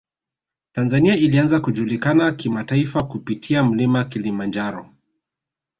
tanzania ilianza kujulikana kimataifa kupitia mlima kilimanjaro